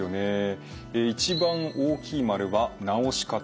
え一番大きい丸は「治し方」。